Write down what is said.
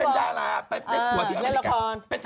เป็นดาราเป็นผัวที่อเมริกาเป็นละคร